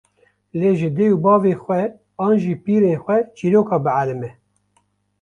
lê ji dê û bavê xwe an ji pîrên xwe çîroka bielime